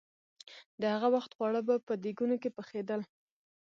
د هغه وخت خواړه به په دېګونو کې پخېدل.